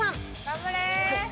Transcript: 頑張れ！